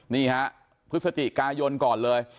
นี่ฮะพฤศจิกายนก่อนเลย